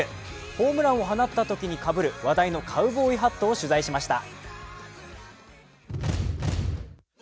ホームランを放ったときにかぶる話題のカウボーイハットを取材しました。